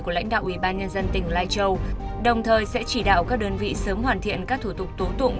của lãnh đạo ủy ban nhân dân tỉnh lai châu đồng thời sẽ chỉ đạo các đơn vị sớm hoàn thiện các thủ tục tố tụng